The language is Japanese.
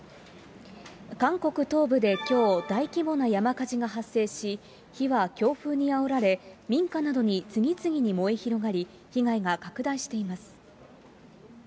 韓国東部できょう、大規模な山火事が発生し、火は強風にあおられ、民家などに次々に燃え広がり、被害が拡大しています。